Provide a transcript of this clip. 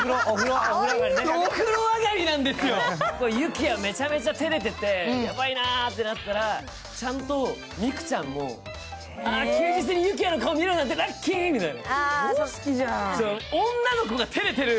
ゆきやめちゃめちゃ照れてて、ヤバいなってなったら、ちゃんとみくちゃんも、あー、休日にゆきやの顔見れるなんてラッキーみたいな。